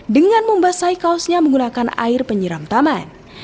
dengan membasahi kaosnya menggunakan air penyiram taman